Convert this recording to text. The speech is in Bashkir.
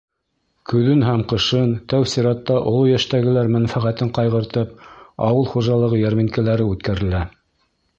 Көҙөн һәм ҡышын, тәү сиратта оло йәштәгеләр мәнфәғәтен ҡайғыртып, ауыл хужалығы йәрминкәләре үткәрелә.